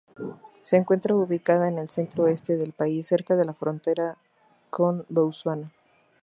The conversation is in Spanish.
Se encuentra ubicada en el centro-este del país, cerca de la frontera con Botsuana.